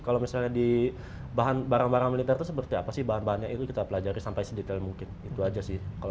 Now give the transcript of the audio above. kalau misalnya di bahan barang barang militer itu seperti apa sih bahan bahannya itu kita pelajari sampai sedetail mungkin itu aja sih